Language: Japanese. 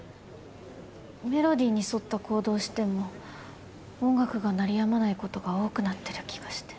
メロディーに沿った行動をしても音楽が鳴りやまないことが多くなってる気がして。